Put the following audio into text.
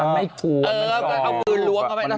ไม่ควรมันก็เอามือล้วนเข้ามา